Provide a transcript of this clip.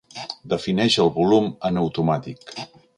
Defineix el volum en automàtic.